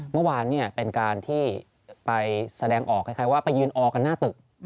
เมื่อวานเป็นการที่ไปแสดงออกคล้ายว่าไปยืนออกันหน้าตึก